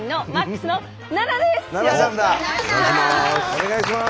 お願いします。